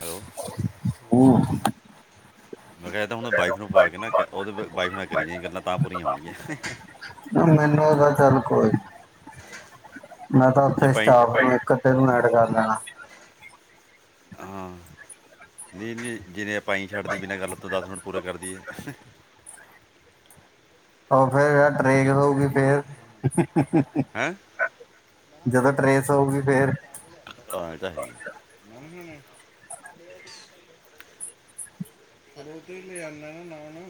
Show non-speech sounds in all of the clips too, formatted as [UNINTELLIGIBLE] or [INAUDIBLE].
Hello ਮੈਂ ਕੇਆ ਤਾਂ ਹੁਨ ਵਾਈਫ ਨੂੰ ਪਾ ਕੇ ਨਾ, ਓ ਤੇ ਫੇਰ ਵਾਈਫ ਨਾਲ ਕਰੀ ਜਾਈਂ ਗੱਲਾਂ, ਤਾਂ ਪੂਰੀਆਂ ਹੋਨਗੀਆਂ। ਨਈ ਮੈਨੂੰ ਤਾਂ ਚੱਲ- ਕੋਈ ਮੈਂ ਤਾਂ ਜੇ ਓਥੇ ਆਪਾਂ ਹੀ- ਸਟਾਫ ਨੂੰ ਏਕ ਤੈਨੂੰ ਐਡ ਕਰ ਲੈਨਾ। ਹਾਂ, ਨਈ -ਨਈ ਜਿਵੇ ਆਪਾਂ ਅਈ ਛੱਡ ਦਈਏ, ਬਿਨਾਂ ਗੱਲ ਤੋਂ ਦਸ ਮਿੰਟ ਪੂਰੇ ਕਰਦੀਏ। ਓ ਫੇਰ ਯਾਰ ਟਰੇਗ ਦਓਗੀ ਫੇਰ ਹਾਂ ਜਦੋਂ ਟਰੇਸ ਹੋਊਗੀ ਫੇਰ ਆਂ ਏ ਤਾਂ ਹੈ ਈ ਆਂ। ਤਲੋਕੀ ਲਿਆਂਦਾ ਨਾ ਨਾਨ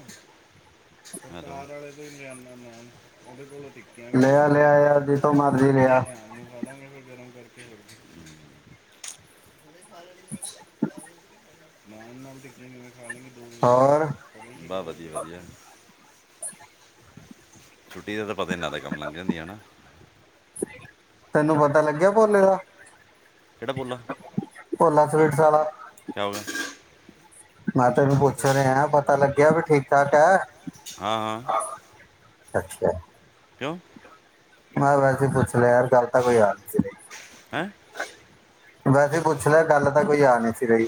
ਮੈਂ ਨਾਲ ਆਲੇ ਦੇ ਈ ਲਿਆਂਦਾ ਨਾਨ, ਓਦੇ ਕੋਲੋਂ ਠੀਕ ਟਿੱੱਕੀਆਂ ਮਿਲ ਲਿਆ ਜਾਨੀਆਂ, ਲਿਆ ਯਾਰ ਜਿੱਥੋਂ ਮਰਜ਼ੀ ਟਿਕੀਆਂ ਲਿਆ ਸ਼ਾਮ ਨੂੰ ਖਾ ਲਾਂਗੇ, ਫੇਰ ਗਰਮ ਕਰਕੇ ਔਰ ਕੀ [UNINTELLIGIBLE] ਨਾਨ ਨਾਲ ਤਾਂ ਕਿਵੇਂ ਖਾ ਲੇਗੀ। ਔਰ ਬਾ, ਵਧੀਆ -ਵਧੀਆ ਜੀ। ਛੁੱਟੀ ਦਾ ਤਾਂ ਪਤਾ ਹੀ ਨੀ ਲਗਦਾ, ਕੰਮ ਲੰਘ ਜਾਂਦੀ ਏ ਨਾ। ਤੈਨੂੰ ਪਤਾ ਲੱਗੇਆ, ਭੋਲੇ ਦਾ- ਕਿਹੜਾ ਬੋਲਾ ਭੋਲਾ ਸਵੀਟਸ ਆਲਾ ਕੇਆ ਹੋ ਰਾ ਮੈਂ ਤੈਨੂੰ ਪੁੱਛ ਰਿਹਾਂ, ਪਤਾ ਲੱਗਿਆ ਵੀ ਠੀਕ- ਠਾਕ ਏ। ਹਾਂ ਹਾਂ ਅੱਛਾ ਕਿਉਂ? ਮੈਂ ਵੈਸੇ ਪੁੱਛ ਲੇਆ, ਗੱਲ ਤਾਂ ਕੋਈ ਆ ਨੀ ਸੀ ਹੈ ਰਹੀਂ। ਵੈਸੇ ਪੁੱਛ ਲੇਆ, ਗੱਲ ਤਾਂ ਕੋਈ ਆ ਨੀ ਸੀ ਰਹੀ।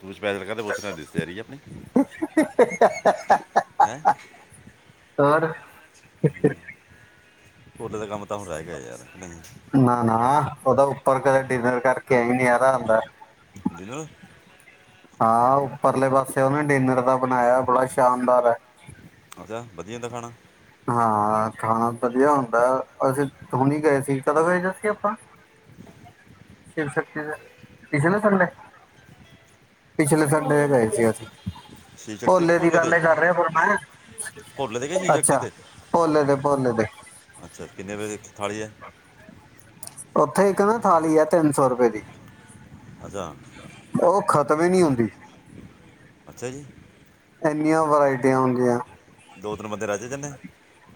ਪੁਛ-ਪਾਛ ਕੇ ਲਗੇਆ, ਉਸ ਸਾਬ ਤੇ ਰਿਸ਼ਤੇਦਾਰੀ ਆ ਅਪਨੀ--ਐ। ਔਰ ਹੂੰ -ਓਧਰ ਦਾ ਕੰਮ ਤਾਂ ਹੁਨ ਰੇਅ ਗੇਆ ਯਾਰ ਨਈ। ਨਾ, ਨਾ ਉਦਾ ਉੱਪਰ ਕਦੇ ਡਿਨਰ ਕਰਕੇ ਨਜ਼ਰਾਂ ਆਦਾ। ਡਿਨਰ ਹਾਂ, ਉੱਪਰਲੇ ਪਾਸੇ ਉਨੇ ਡਿਨਰ ਦਾ ਬਨਾਏਆ ਬੜਾ ਸ਼ਾਨਦਾਰ ਹੈ। ਅੱਛਾ, ਵਧੀਆ ਹੁੰਦਾ ਖਾਨਾ? ਹਾਂ, ਖਾਨਾ ਵਧੀਆ ਹੁੰਦਾ, ਅਸੀਂ ਹੁਨੀ ਗਏ ਸੀ, ਕਦੋਂ ਗਏ ਸੀ ਜਸੀ ਆਪਾਂ ਸ਼ਿਵ-ਸ਼ਕਤੀ ਦੇ ਪਿਛਲੇ ਸੰਡੇ, ਪਿਛਲੇ ਸੰਡੇ ਗਏ ਸੀ। ਅਸੀਂ ਸ਼ਿਵ ਸ਼ਕਤੀ ਕਿ ਪੋਲੇ ਦੀ ਭੋਲੇ ਤੇ ਗੱਲ ਕਰ ਰੇਆ ਫੇਰ ਮੈਂ ਭੋਲੇ ਤੇ ਕਿ ਸ਼ਿਵ ਸ਼ਕਤੀ ਅੱਛਾ, ਤੇ ਪੋਲੇ ਦੇ, ਪੋਲੇ ਦੇ ਅੱਛਾ, ਕਿੰਨੇ ਰੁਪਏ ਦੀ ਏਕ ਥਾਲੀ ਹੈ? ਉੱਥੇ ਇੱਕ ਨਾ ਥਾਲੀ ਏ, ਤਿੰਨ ਸੌ ਰੁਪਏ ਦੀ [UNINTELLIGIBLE] ਓ ਖ਼ਤਮ ਹੀ ਨੀ ਹੁੰਦੀ। ਅੱਛਾ ਜੀ, ਐਨੀਆਂ ਵਰਾਇਟੀਆਂ ਹੁੰਦੀਆਂ। ਦੋ -ਤਿੰਨ ਬੰਦੇ ਰਜ ਜਾਂਨੇ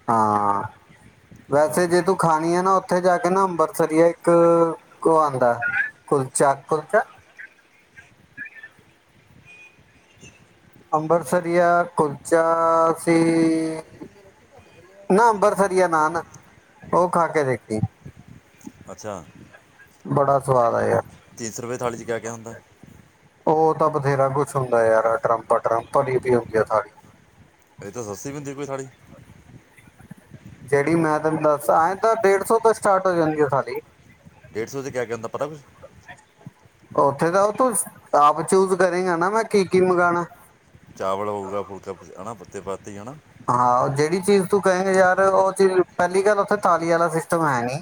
ਹਾਂ, ਅੱਛਾ ਵੈਸੇ ਜੇ ਤੂੰ ਖਾਣੀ ਏ ਨਾ ਉੱਥੇ ਜਾ ਕੇ ਨਾ ਅੰਬਰਸਰੀਆ ਐ ਇੱਕ ਉਹ ਆਉਂਦਾ ਕੁਲਚਾ, ਕੁਲਚਾ ਅੰਬਰਸਰੀਆ ਕੁਲਚਾ ਸੀ। ਨਾ ਅੰਬਰਸਰੀਆ ਨਾਨ, ਉਹ ਖਾ ਕੇ ਦੇਖੀ ਅੱਛਾ ਬੜਾ ਸਵਾਦ ਆਇਆ। ਤਿੰਨ ਸੌ ਰੁਪਏ ਥਾਲੀ ਕਿਆ-ਕਿਆ ਹੁੰਦਾ? ਉਹ ਤਾਂ ਬਥੇਰਾ ਕੁੱਛ ਹੁੰਦਾ ਐ ਯਾਰ, ਟਰੰਪ, ਟਰੰਪਲੀ ਵੀ ਹੁੰਦੀ ਐ ਥਾਲੀ ਇਹ ਤੋ ਸ਼ਸਤੀ ਵੀ ਹੋਂਦੀ ਕੋਈ ਥਾਲੀ? ਜਿਹੜੀ ਮੈਂ ਤੈਨੂੰ ਦੱਸ, ਐਏਂ ਤਾਂ ਡੇਢ ਸੌ ਤੋਂ ਸਟਾਰਟ ਹੋ ਜਾਂਦੀ ਆ ਥਾਲੀ। ਡੇਢ ਸੌ ਕਿਆ -ਕਿਆ ਹੁੰਦਾ, ਪਤਾ ਕੁਛ? ਉੱਥੇ ਤਾਂ ਤੂੰ ਆਪ ਚੂਜ ਕਰੇਗਾ ਨਾ, ਮੈਂ ਕੀ- ਕੀ ਮੰਗਾਣਾ। ਚਾਵਲ ਹੋਊਗਾ, ਫੁਲਕਾ ਹਨਾ [INAUDIBLE] ਹਾਂ, ਜਿਹੜੀ ਚੀਜ਼ ਤੂੰ ਕਹੇਂਗਾ ਯਾਰ ਉਹ ਚੀਜ਼ ਪਹਿਲੀ ਗੱਲ ਉੱਥੇ ਥਾਲੀ ਵਾਲਾ ਸਿਸਟਮ ਹੈ ਨੀਂ।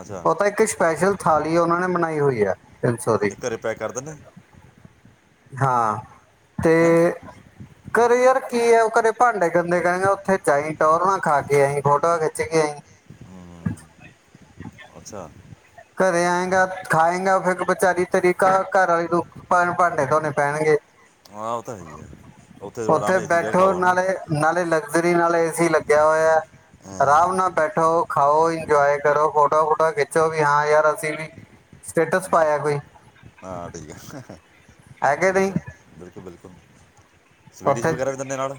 ਅੱਛਾ ਉਹ ਤਾਂ ਇੱਕ ਸਪੈਸ਼ਲ ਥਾਲੀ ਉਹਨਾਂ ਨੇ ਮਨਾਈ ਹੋਈ ਹੈ। ਐ ਘਰੇ ਪੈਂਕ ਕਰ ਦਿੰਨੇ। ਹਾ। ਹੈਂ। ਘਰੇ ਯਾਰ ਕੀ ਆ, ਉਹ ਘਰੇ ਭਾਂਡੇ ਗੰਦੇ ਕਰੇਂਗਾ, ਉੱਥੇ ਜਾਈਂ ਟੌਰ ਨਾ ਖਾ ਕੇ ਆਈਂ, ਫੋਟੋਆਂ ਖਿੱਚ ਕੇ ਆਈਂ। ਅੱਛਾ ਘਰੇ ਆਏਂਗਾ ਖਾਏਗਾ, ਫੇਰ ਵਿਚਾਰੀ ਤੇਰੀ ਘਰ ਨੂ ਭ ਭਾਂਡੇ ਤੋਨੇ ਪੈਣਗੇ। ਹਾਂ ਉਹ ਤਾਂ ਹੈ ਹੀ ਹੈ, ਉੱਥੇ ਸਗੋ ਏਸੀ ਬਹਿ ਕੇ ਖ ਬੈਠੋ ਆਓ ਹਨਾ। ਨਾਲੇ ਨਾਲੇ ਲਗਜ਼ਰੀ ਨਾਲ ਏ ਸੀ ਲੱਗਿਆ ਹੋਇਆ। ਹਾਂ, ਆਰਾਮ ਨਾਲ ਬੈਠੋ, ਖਾਓ, ਇੰਜੋਏ ਕਰੋ, ਫੋਟੋ- ਫੋਟੋ ਖਿੱਚੋ। ਕੋਈ ਹਾਂ ਯਾਰ ਅਸੀਂ ਵੀ ਸਟੇਟਸ ਪਾਇਆ ਕੋਈ। ਹਾਂ ਠੀਕ ਆ, ਹੇ, ਹੇ, ਹੈਗੇ ਠੀਕ ਨਹੀਂ ਆ, ਬਿਲਕੁਲ, ਬਿਲਕੁਲ। ਸਵੀਡਿਸ਼ ਉੱਥੇ ਵਗੈਰਾ ਵੀ ਦਿੰਦੇ ਨਾਲ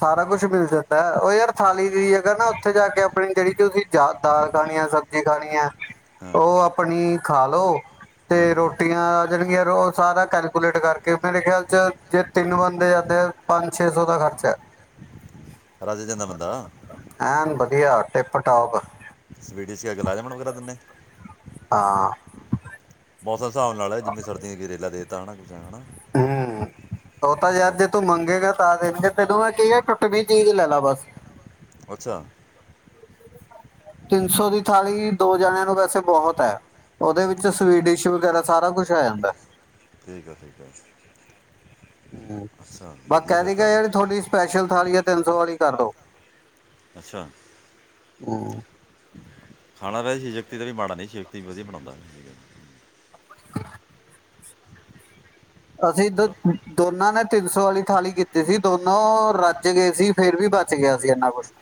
ਸਾਰਾ ਕੁਛ ਮਿਲ ਜਾਂਦਾ, ਉਹ ਯਾਰ ਥਾਲੀ ਦੀ ਜਗ੍ਹਾ ਨਾ ਉੱਥੇ ਜਾ ਕੇ ਆਪਣੀ ਜਿਹੜੀ ਕਿ ਤੁਸੀਂ ਯਾਦ ਦਾਰ ਖਾਣ ਆ। ਖਾਣੀ ਐ, ਹਾਂ ਉਹ ਆਪਣੀ ਖਾ ਲੋ। ਹਾਂ ਤੇ ਰੋਟੀਆਂ ਜਿਹੜੀਆਂ ਸਾਰਾ ਕੈਲਕੂਲੇਟ ਕਰਕੇ ਮੇਰੇ ਖਿਆਲ ਚ ਜੇ ਤਿੰਨ ਬ ਦੇ ਜਾਂਦੇ ਪੰਜ- ਛੇ ਸੌ ਦਾ ਖਰਚਾ ਐ। ਰੱਜ ਜਾਂਦਾ ਬੰਦਾ। ਐਨ ਵਧੀਆ, ਟਿਪ- ਟੋਪ। ਸਵੀਡੀ ਚ ਗ ਲਾ ਦੇਣ ਵਗਰਾ ਦਿੰਨੇ। ਹਾਂ। ਮੌਸਮ ਹਿਸਾਬ ਨਾਲ ਜਿਵੇਂ ਸਰਦੀਆਂ ਦਾ ਗਰੇਲਾ ਦੇਤਾ ਹਨਾ ਕੁਛਂ ਹਨਾ। ਹਮ। ਉਹ ਤਾਂ ਯਾਰ ਔਰ ਜੇ ਤੂੰ ਮੰਗੇਗਾ ਤਾਂ ਦੇਨ ਕੇ ਤੈਨੂੰ, ਮੈਂ ਕਿਆ ਟੁੱਟਵੀ ਚੀਜ਼ ਲੈ ਲਾ ਬਸ। ਅੱਛਾ। ਤਿੰਨ ਸੌ ਦੀ ਥਾਲੀ ਦੋ ਜਣਿਆਂ ਨੂੰ ਵੈਸੇ ਬਹੁਤ ਐ। ਉਹਦੇ ਵਿੱਚ ਸਵੀਡਿਸ਼ ਵਗੈਰਾ ਸਾਰਾ ਕੁਛ ਆ ਜਾਂਦਾ। ਠੀਕ ਆ ਠੀਕ ਹੈ। ਹੂ ਅੱਛਾ ਬਸ ਵਧੀਆ ਕਹਿ ਫਿਰ ਦੀ ਤਾਂ ਹਨਾ। ਕਹੀ ਤੁਹਾਡੀ ਸਪੈਸ਼ਲ ਥਾਲੀ ਹੈ। ਤਿੰਨ ਸੌ ਵਾਲੀ ਕਰ ਦਿਉ। ਅੱਛਾ। ਉਹੋ ਖਾਣਾ ਵੈਸੇ ਸ਼ਿਵ ਸ਼ਕਤੀ ਦਾ ਵੀ ਮਾੜਾ ਨਹੀਂ। ਸ਼ਕਤੀ ਵਧੀਆ ਬਣਾਉਂਦਾ। ਠੀਕ ਹੈ। [UNINTELLIGIBLE] ਅਸੀਂ ਦ ਚਲੋ ਦੋਨਾਂ ਨੇ ਤਿੰਨ ਸੌ ਵਾਲੀ ਥਾਲੀ ਕੀਤੀ ਸੀ। ਦੋਨੋ ਰੱਜ ਗਏ ਸੀ। ਫੇਰ ਵੀ ਬਚ ਗਿਆ ਸੀ ਇੰਨਾ ਕੁਛ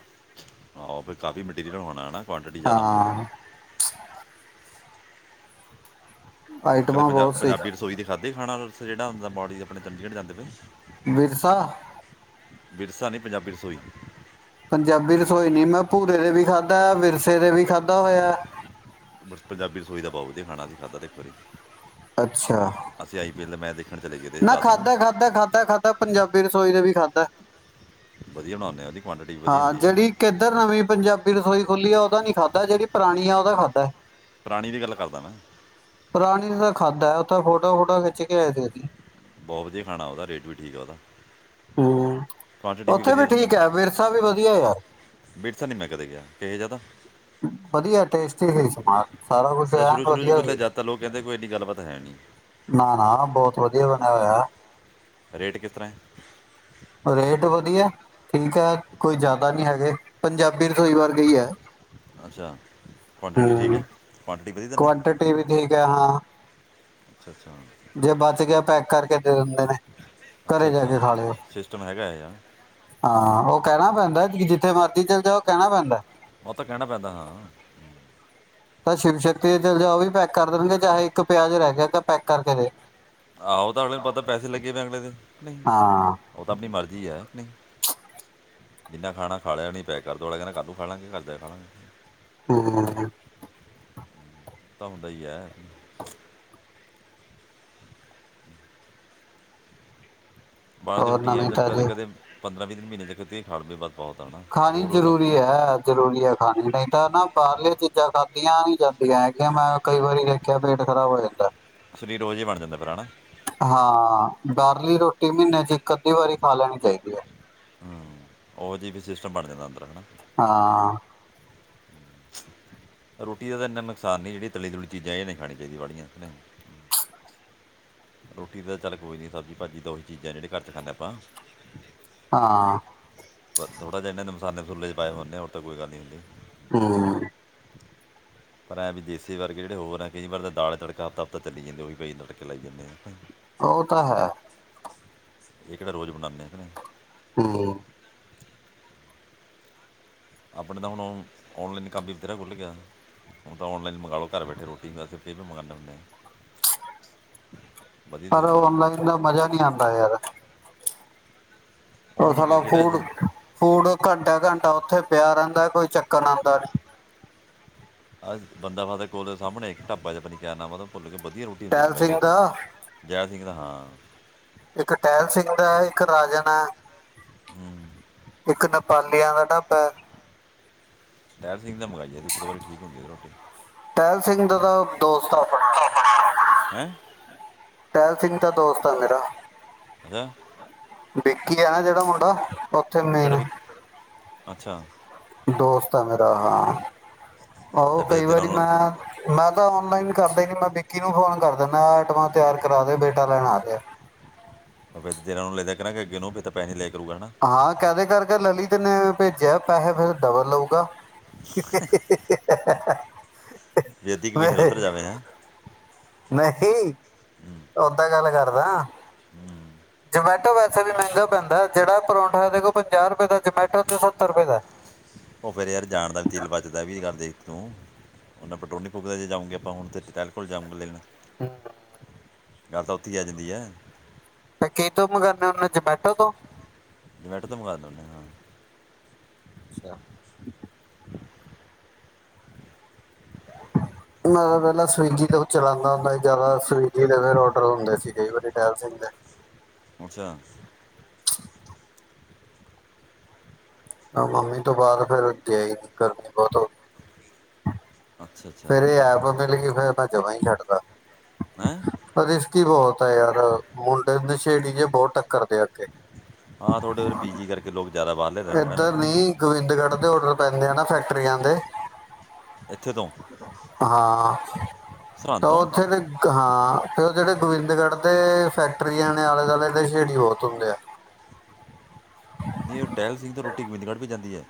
ਆਹ ਫਿਰ ਕਾਫੀ ਮਟੀਰੀਅਲ ਹੋਣਾ ਹੈ ਨਾ। ਕੁਆਂਟਿਟੀ ਜ਼ਿਆਦਾ ਹੋਣੀ ਹੈ। ਹਾਂ ਕਦੇ ਆਈਟਮਾਂ ਪੰਜ ਬਹੁਤ ਸੀ ਪੰਜਾਬੀ ਰਸੋਈ ਦੇ ਖਾਦੀ ਖਾਣਾ। ਰਸਤੇ ਚ ਜਿਹੜਾ ਹੁੰਦਾ ਬੋਡੀ ਆਪਣੇ ਚੰਡੀਗੜ੍ਹ ਜਾਂਦੇ ਪਏ। ਵਿਰਸਾ। ਵਿਰਸਾ ਨਹੀਂ ਪੰਜਾਬੀ ਰਸੋਈ ਪੰਜਾਬੀ ਰਸੋਈ ਨੀ। ਮੈਂ ਭੂਰੇ ਦੇ ਵੀ ਖਾਧਾ, ਵਿਰਸੇ ਦੇ ਵੀ ਖਾਧਾ ਹੋਇਆ। ਬਸ ਪੰਜਾਬੀ ਰਸੋਈ ਦਾ ਬਹੁਤ ਵਧੀਆ ਖਾਣਾ। ਅਸੀਂ ਖਾਧਾ ਤਾਂ ਇੱਕ ਵਾਰੀ ਅੱਛਾ। ਅਸੀਂ ਆਈ ਪੀ ਏੱਲ ਦਾ ਮੈਂਚ ਦੇਖ ਨਾ ਖਾਧਾ, ਖਾਧਾ, ਖਾਧਾ, ਖਾਧਾ ਪੰਜਾਬੀ ਰਸੋਈ ਦਾ ਵੀ ਖਾਦਾ। ਵਧੀਆ ਬਣਾਉਂਦੇ ਆਂ। ਹਾਂ। ਜਿਹੜੀ ਕਿੱਧਰ ਨਵੀਂ ਪੰਜਾਬੀ ਰਸੋਈ ਖੁੱਲੀ ਹੈ। ਉਹਦਾ ਨੀ ਖਾਧਾ ਜਿਹੜੀ ਪੁਰਾਣੀ ਆ ਉਹਦਾ ਖਾਧਾ। ਪੁਰਾਣੀ ਦੀ ਗੱਲ ਕਰਦਾ ਮੈਂ ਪੁਰਾਣੀ ਤਾਂ ਖਾਦ ਉੱਥੇ ਫੋਟੋ -ਫੂਟੂਆ ਖਿੱਚ ਕੇ ਆਏ ਸੀ। ਅਸੀਂ ਬਹੁਤ ਵਧੀਆ ਖਾਣਾ ਉਹਦਾ। ਰੇਟ ਵੀ ਠੀਕ ਆ ਉਹਦਾ। ਹੂ। ਕੁਆਂਟੀਟੀ ਉੱਥੇ ਵੀ ਵਧੀਆ ਠੀਕ ਹੈ। ਵਿਰਸਾ ਵੀ ਵਧੀਆ ਆ ਯਾਰ ਵਿਰਸਾ ਨੀ ਮੈਂ ਕਦੇ ਗਿਆ। ਕਿਹਾ ਜਿਆਦਾ ਵਧੀਆ ਟੇਸਟੀ ਸੀ ਸਮਾਨ। ਸਾਰਾ ਕੁਛ ਜਾਂ ਸ਼ੁਰੂ ਐਨ ਸ਼ੁਰੂ ਚ ਵਧੀਆ ਗੱਲੇ ਸੀ। ਜਦ ਤਾਂ ਲੋਕ ਕਹਿੰਦੇ ਕੋਈ ਐਡੀ ਗੱਲਬਾਤ ਹੈ ਨਹੀਂ। ਨਾ -ਨਾ ਬਹੁਤ ਵਧੀਆ ਬਣਿਆ ਹੋਇਆ। ਰੇਟ ਕਿਸ ਤਰ੍ਹਾਂ? ਰੇਟ ਵਧੀਆ ਠੀਕ ਹੈ। ਕੋਈ ਜ਼ਿਆਦਾ ਨਹੀਂ ਹੈਗੇ। ਪੰਜਾਬੀ ਰਸੋਈ ਵਰਗੇ ਹੀ ਹੈ। ਅੱਛਾ। ਕੁਆਂਟਿਟੀ ਠੀਕ ਹੂੰ ਹੈ। ਕੁਟਿਟੀ ਪੜੀ ਤੇਨੇ ਕੁਆਂਟਿਟੀ ਵੀ ਠੀਕ ਹੈ ਹਾਂ ਅੱਛਾ ਜੇ ਬਚ ਗਿਆ। ਪੈਕ ਕਰਕੇ ਦੇ ਦਿੰਦੇ ਨੇ। ਅੱਛਾ ਘਰੇ ਜਾ ਅੱਛਾ ਕੇ ਖਾ ਲਿਓ। ਸਿਸਟਮ ਹੈਗਾ ਹੈ ਯਾਰ ਹਾਂ ਉਹ ਕਹਿਣਾ ਪੈਂਦਾ। ਜਿੱਥੇ ਮਰਜ਼ੀ ਚੱਲੇ ਜੳ। ਉਹ ਕਹਿਣਾ ਪੈਂਦਾ। ਉਹ ਤਾਂ ਕਹਿਣਾ ਪੈਂਦਾ ਹਾਂ ਤਾਂ ਸ਼ਿਵ ਸ਼ਕਤੀ ਦੇ ਚਲੇ ਜਾਉ। ਉਹ ਵੀ ਪੈਕ ਕਰ ਦੇਣਗੇ। ਚਾਹੇ ਇੱਕ ਪਿਆਜ ਰਹਿ ਗਿਆ। ਕਹਿਪੈਕ ਕਰਕੇ ਦੇ। ਆਹੋ ਉਹ ਤਾਂ ਅਗਲੇ ਨੂੰ ਪਤਾ ਪੈਸੇ ਲੱਗੇ ਪਏ ਅਗਲੇ ਦੇ। ਨਹੀਂ ਹਾਂ ਉਹ ਤਾਂ ਆਪਣੀ ਮਰਜ਼ੀ ਹੈ। ਨਹੀਂ ਜਿੰਨਾ ਖਾ ਖਾ ਲਿਆ ਨੀ। ਪੈਕ ਕਰ ਦੋ ਕਹਦਾ ਕੱਲ੍ਹ ਨੂੰ ਖਾਾਂਲਾਗੇ। ਘਰ ਦਿਆਂ ਖਾਣਾ ਹੂ- ਹੂ ਤਾਂ ਹੁੰਦਾ ਹੀ ਹੈ। ਬਾਹਰ ਦੀ ਹੋਰ ਰੋਟੀਆਂ ਨਵੀਂ ਜ ਤਾਜੀ ਕਦੇ ਪੰਦਰਾ -ਵੀਹ ਦਿਨ ਮਹੀਨੇ ਚ ਖਾ ਲੈਂਦੇ ਕੀਤੀਤੀ ਵੱਧ ਖਾਣੀ ਜ਼ਰੂਰੀ ਹੈ। ਹੈ ਜ਼ਰੂਰੀ ਹੈ ਖਾਣੀ। ਨਹੀਂ ਤਾਂ ਨਾ ਬਾਹਰਲੀਆ ਚੀਜ਼ਾਂ ਖਾਦੀਆਂ ਈ ਜਾਂਦੀਆਂ ਹੈਗੀਆਂ। ਮੈਂ ਕਈ ਵਾਰੀ ਕਿਆ ਪੇਟ ਖਰਾਬ ਹੋ ਜਾਂਦਾ। ਸਰੀਰ ਉਹ ਜਿਹਾ ਹੀ ਬਣ ਜਾਂਦਾ। ਭਰਾ ਨਾ ਹਾਂ। ਬਾਹਰਲੀ ਰੋਟੀ ਮਹੀਨੇ ਚ ਇੱਕ- ਅੱਧੀ ਵਾਰੀ ਖਾ ਲੈਣੀ ਚਾਹੀਦੀ ਹੈ। ਹਾਂ, ਓਹੋ ਜਾ ਈ ਫਿਰ ਸਿਸਟਮ ਬਣ ਜਾਂਦਾ ਆਪਣਾ ਹਨਾ। ਹਾਂ। ਰੋਟੀ ਦਾ ਤਾਂ ਐਨਾ ਨੁਕਸਾਨ ਨੀ ਜਿਹੜੀ ਤਲੀ ਤੁਲੀ ਚੀਜ਼ਾਂ ਏਹ ਨੀ ਖਾਣੀ ਚਾਹੀਦੀ ਵਾਲੀਆਂ। ਰੋਟੀ ਤਾਂ ਚੱਲ ਕੋਈ ਨੀ ਸਬਜ਼ੀ ਭਾਜੀ ਦੋ ਈ ਚੀਜ਼ਾਂ ਜੇਹੜੀ ਘਰ ਖਾਦੇ ਆਪਾਂ। ਹਾਂ। ਪਰ ਥੋੜਾ ਜਾ ਏਨਾਂ ਨੇ ਮਸਾਲੇ ਮਸੂਲੇੇ ਪਾਏ ਹੁੰਦੇ ਆ ਹੋਰ ਤਾਂ ਕੋਈ ਗੱਲ ਨੀ ਹੁੰਦੀ। ਹੂੰ। ਪਰ ਐ‌ ਵੀ ਦੇਸੀ ਵਰਗੇ ਜਿਹੜੇ ਹੋਰ ਆ ਕਈ ਵਾਰ ਦਾਲ ਤੜਕਾ ਹਫ਼ਤਾ-ਹਫ਼ਤਾ ਚੱਲੀ ਜਾਂਦੇ ਆ ਓਹੀ ਪ‌ਏ ਤੜਕੇ ਲਾਈ ਜਾਂਦੇ ਆ। ਓ ਤਾਂ ਹੈ। ਏਹ ਕਿਹੜਾ ਰੋਜ਼ ਬਣਾਦੇ ਕ ਨ‌ਈ। ਹੂੰ। ਆਪਣੇ ਤਾਂ ਹੁਣ ਔਨਲਾਈਨ ਕੰਮ ਵੀ ਵਥੇਰਾ ਖੁੱਲ ਗਿਆ। ਹੁਣ ਤਾਂ ਔਲਾਈਨ ਮੰਗਾਓ ਘਰ ਬੈਠੇ ਰੋਟੀ ਵੀ [UNINTELLIGIBLE] ਵੀ ਮੰਗਾਨੇ ਹੁੰਨੇ ਆ। ਵਧੀਆ ਦੇ ਪਰ ਦਿੰਦੇ ਰੋਟੀ ਔਨਲਾਈਨ ਦਾ ਮਜ਼ਾ ਨੀ ਆਦਾ ਯਰ। ਉਹ ਹੁਣ ਓਥੋਂ ਦਾ ਕਿ- ਕਿਹੜਾ ਫੂਡ, ਜਾ ਫੂਡ ਘੰਟਾ-ਘੰਟਾ ਓਥੇ ਪਿਆ ਰਹਿੰਦਾ ਕੋਈ ਚੱਕਣ ਆਦਾ ਨੀ। ਆਹ ਬੰਦਾ ਬਹਾਦਰ ਕੋਲ ਸਾਮਣੇ ਆ ਇੱਕ ਢਾਬਾ ਜਾ ਪਤਾ ਨੀ ਕੇਆ ਨਾਮ ਆ ਓਦਾ ਭੁੱਲ ਗਿਆ, ਵਧੀਆ ਰੋਟੀ ਹੁੰਦੀ ਟਹਿਲ ਮੰਗਾਈ ਆ ਸਿੰਘ ਦਾ ਅਸੀਂ। ਜੈ ਸਿੰਘ ਦਾ, ਹਾਂ। ਇੱਕ ਟਹਿਲ ਸਿੰਘ ਦਾ ਐ, ਇੱਕ ਰਾਜਨ ਐ, ਹੂੰ ਇੱਕ ਨ ਪਾਲੀਆਂ ਦਾ ਢਾਬਾ। ਟਹਿਲ ਸਿੰਘ ਦੇਓ ਮੰਗਵਾਈ ਆ ਅਸੀ ਇਕ-ਦੋ ਵਾਰੀ ਠੀਕ ਹੁੰਦੀ ਆ ਏਦੀ ਰੋਟੀ। ਟਹਿਲ ਸਿੰਘ ਦਾ ਤਾਂ ਦੋਸਤ ਆ ਹੈਅ? ਟਹਿਲ ਸਿੰਘ ਤਾ ਦੋਸਤ ਆ ਮੇਰਾ। ਅੱਛਾ‌। ਵਿੱਕੀ ਆ ਨਾ ਜੇਹੜਾ ਮੁੰਡਾ ਕਿਹੜਾ ਮੇਨ ਵਿੱਕੀ? ਅੱਛਾ ਦੋਸਤ ਆ ਮੇਰਾ, ਹਾਂ, ਓ ਤਾਂ ਫਿਰ ਕਈ ਤੇਰਾ ਵਾਰੀ ਨੂੰ ਮੈਂ ਮੈਂ ਤਾਂ ਔਨਲਾਈਨ ਕਰਦਾ ‌ਈ ਨੀ ਮੈਂ ਵਿੱਕੀ ਨੂੰ ਫੋਨ ਕਰ ਦਿੰਨਾ ਆਹ ਆਈਟਮਾਂ ਤਿਆਰ ਕਰਾ ਦੇ ਬੇਟਾ ਲੈਣ ਆ ਰੇਆ। ਫੇਰ ਤਾ ਤੇਰਾ ਨੋ ਲੈ ਦੇਆ ਕਰਾਗੇ ਅੱਗੇ ਨੋ ਫੇਰ ਤਾਂ ਪੈਹੇ ਨੀ ਲੇਆ ਕਰੂਗਾ ਨਾ। ਹਾਂ ਕਹਿ ਦੇਆ ਕਰ ਕੇ ਲਲਿਤ ਨੇ ਭੇਜਿਆ ਪੈਸੇ ਫੇਰ ਡੱਬਲ ਲ‌ਊਗਾ। [INAUDIBLE] ਵੀ ਅੱਧੀ ਕਮਿਸ਼ਨ ਉੱਧਰ ਜਾਵੇ ਹੈ ਨਹੀਂ, ਓਦਾਂ ਗੱਲ ਕਰਦਾ। ਜਮੈਟੋ ਵੈਸੇ ਵੀ ਮਹਿੰਗਾ ਪੈਂਦਾ ਜੇਹੜਾ ਪਰੌਂਠਾ ਦੇਖੋ ਪੰਜਾਹ ਰੁਪਏ ਦਾ ਜਮੈਟੋ ਤੇ ਸੱਤਰ ਰੁਪਏ ਦਾ। ਓ ਫੇਰ ਯਾਰ ਜਾਣ ਦਾ ਵੀ ਤੇਲ ਬਚਦਾ ਆਹ ਵੀ ਗੱਲ ਦੇਖ ਤੂੰ। ਓਨਾਂ ਪਟਰੋਲ ਨੀ ਫੂਕਦਾ ਜੇ ਜਾਊਗੇ ਆਪਾਂ ਹੁਣ ਤੇ ਟਹਿਲ ਕੋਲ ਜਾਊਗਾ ਲੇਣ। ਹੂੰ। ਗੱਲ ਤਾਂ ਓਥੇ ਈ ਆ ਜਾਂਦੀ ਐ। ਨਾ ਕੀਤੋਂ ਮੰਗਾਦੇ ਹੁਨੇ ਓ, ਜਮੈਟੋ ਤੋਂ? ਜਮੈਟੋ ਤੋਂ ਮੰਗਾਨਾ ਹੁੰਨਾ, ਹਾਂ। ਅੱਛਾ। ਮੈਂ ਤਾਂ ਪਹਿਲਾਂ ਸਵੀਗੀ ਤੋਂ ਚਲਾਉਂਦਾ ਹੁੰਦਾ ਸੀ ਜਾਦਾ ਸਵੀਗੀ ਤੇ ਫੇਰ ਹ ਹੁੰਦੇ ਸੀ ਕਈ ਵਾਰੀ ਟਹਿਲ ਸਿੰਘ ਦੇ ਅੱਛਾ। ਮੰਮੀ ਤੋਂ ਬਾਦ ਫੇਰ ਗਿਆ ਈ ਨੀ ਗਰਮੀ ਬਹੁਤ ਹੋਗੀ। ਅੱਛਾ ਅੱਛਾ ਫੇਰ ਏਹ ਐਪ ਮਿਲ ਗੀ ਫੇਰ ਮੈ ਜਮਾ ਈ ਛੱਡਤਾ। ਹੈਂਅ? ਰਿਸਕੀ ਬਹੁਤ ਹੈ ਯਾਰ ਮੁੰਡੇ ਨਸ਼ੇੜੀ ਜੇ ਬਹੁਤ ਟੱਕਰਦੇ ਇਥੇ ਪੀ ਜੀ ਕਰਕੇ ਲੋਕ ਜ਼ਿਆਦਾ ਬਾਰ ਇੱਧਰ ਨੀ ਗੋਬਿੰਦਗੜ੍ਹ ਦੇ ਔਰਡਰ ਪੈਂਦੇ ਆ ਨਾ ਫੈਕਟਰੀਆਂ ਦੇ ਇੱਥੇ ਤੋਂ ਹਾਂ ਸਰਹੰਦ ਤਾਂ ਤੋਂ ਉੱਥੇ ਤੇ ਹਾਂ ਫਿਰ ਉਹ ਜਿਹੜੇ ਗੋਬਿੰਦਗੜ੍ਹ ਦੇ ਫੈਕਟਰੀਆਂ ਨੇ ਆਲੇ ਦੁਆਲੇ ਨਸ਼ੇੜੀ ਬਹੁਤ ਹੁੰਦੇ ਆ ਨਹੀਂ ਟਹਿਲ ਸਿੰਘ ਤੋਂ ਰੋਟੀ ਗੋਬਿੰਦਗੜ੍ਹ ਵੀ ਜਾਂਦੀ ਹੈ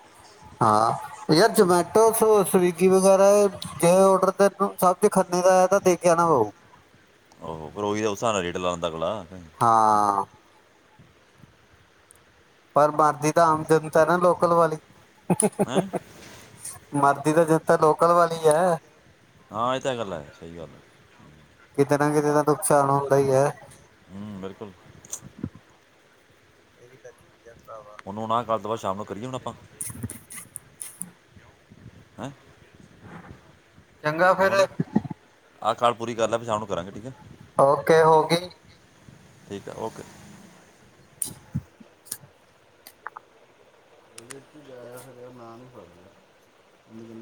ਹਾਂ ਯਾਰ ਜਮੈਟੋ ਸ ਸਵਿਗੀ ਵਗੈਰਾ ਜ ਔਡਰ ਦੇ ਸਭ ਜੇ ਖੰਨੇ ਦਾ ਆ ਤਾਂ ਦੇਕੇ ਆਨਾ ਪਊ ਉਹ ਫਿਰ ਉਹੀ ਦਾ ਉਸ ਹਿਸਾਬ ਨਾਲ ਰੇਟ ਲਾਉਂਦਾ ਅਗਲਾ ਹੈਂ ਹਾਂ ਪਰ ਮਰਦੀ ਤਾਂ ਆਮ ਜਨਤਾ ਨਾ ਲੋਕਲ ਵਾਲੀ ਹਾਂ ਮਰਦੀ ਤਾ ਜਨਤਾ ਲੋਕਲ ਵਾਲੀ ਐ ਹਾਂ ਇਹ ਤਾਂ ਗੱਲ ਹੈ ਸਹੀ ਗੱਲ ਹੈ ਕਿਤੇ ਨਾ ਕਿਤੇ ਤਾ ਨੁਕਸਾਨ ਹੁੰਦਾ ਹੀ ਹੈ ਹ ਬਿਲਕੁਲ ਇਹ ਹੀ ਤਾਂ ਚੀਜ਼ ਚਲ ਭਰਾਵਾ ਹੁਣ ਉਨਾ ਕਲ ਤੋਂ ਸ਼ਾਮ ਨੂੰ ਕਰੀਏ ਹੁਨ ਆਪਾਂ [UNINTELLIGIBLE] ਹੈਂ ਚੰਗਾ ਹੈ ਵੋੋ ਫਿਰ [UNINTELLIGIBLE] ਆਹ ਕਾਲ ਪੂਰੀ ਕਰ ਲੈ ਫਿਰ ਸ਼ਾਮ ਨੂੰ ਕਰਾਂਗੇ ਠੀਕ ਹੈ ਓਕੇ ਹੋ ਗਈ ਠੀਕ ਹੈ ਓਕੇ ਗ ਮ [UNINTELLIGIBLE]